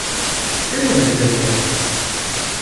Què diuen a Interior?